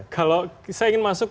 kalau saya ingin masuk